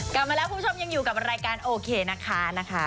กลับมาแล้วคุณผู้ชมยังอยู่กับรายการโอเคนะคะ